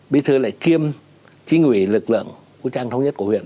bí thư lại kiêm chính ủy lực lượng vũ trang thống nhất của huyện